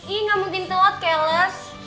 ih gak mungkin telat keles